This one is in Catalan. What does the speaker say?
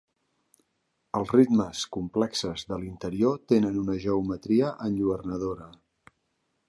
Els ritmes complexes de l'interior tenen una geometria enlluernadora.